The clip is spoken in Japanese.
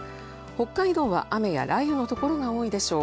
北海道は雨や雷雨のところが多いでしょう。